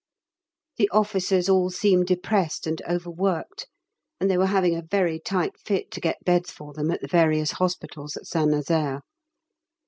The officers all seemed depressed and overworked, and they were having a very tight fit to get beds for them at the various hospitals at St Nazaire.